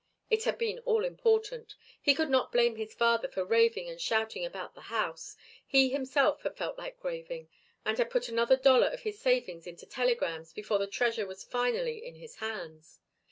It had been all important. He could not blame his father for raving and shouting about the house, he himself had felt like raving, and had put another dollar of his savings into telegrams before the treasure was finally in his hands.